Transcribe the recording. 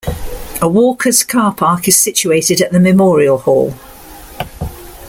A walkers' car park is situated at the Memorial Hall.